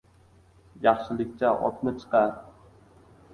Yaxshilikcha otni chiqar!